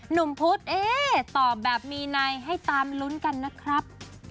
หนุ่มพุธเอ๊ตอบแบบมีในให้ตามลุ้นกันนะครับ